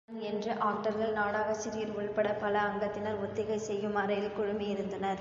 அத்தினம் எனது ஆக்டர்கள் நாடகாசிரியர் உள்படப் பல அங்கத்தினர், ஒத்திகை செய்யும் அறையில் குழுமியிருந்தனர்.